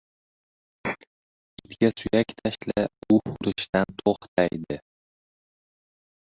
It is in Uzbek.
• Itga suyak tashla — u hurishdan to‘xtaydi.